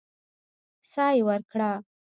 سا يې ورکړه.